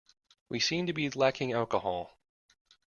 We seem to be lacking alcohol.